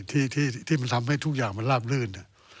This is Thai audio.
ที่มันทำให้ทุกอย่างมันลาบลื่น